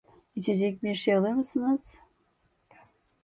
İçecek bir şey alır mısınız?